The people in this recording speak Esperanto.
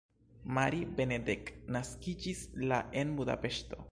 Mari Benedek naskiĝis la en Budapeŝto.